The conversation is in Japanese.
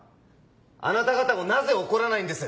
あなた方もなぜ怒らないんです。